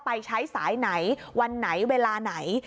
ไปใช้สายไหนวันไหนเวลาไหน